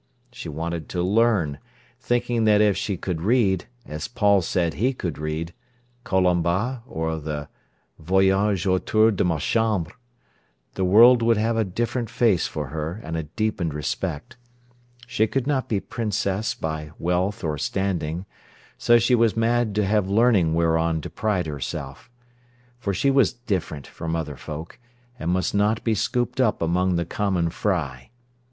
She wanted to learn, thinking that if she could read, as Paul said he could read, "Colomba", or the "Voyage autour de ma Chambre", the world would have a different face for her and a deepened respect. She could not be princess by wealth or standing. So she was mad to have learning whereon to pride herself. For she was different from other folk, and must not be scooped up among the common fry.